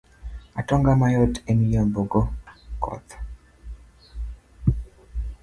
Atonga mayot emiyombogo koth.